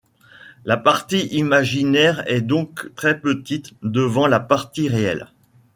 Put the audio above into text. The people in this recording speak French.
La partie imaginaire est donc très petite devant la partie réelle.